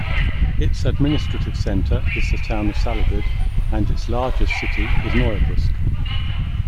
Its administrative center is the town of Salekhard, and its largest city is Noyabrsk.